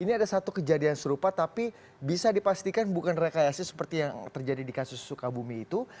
ini ada satu kejadian serupa tapi bisa dipastikan bukan rekayasa seperti yang terjadi di kasus sukabumi itu